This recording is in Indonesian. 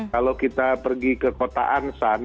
kalau kita pergi ke kota ansan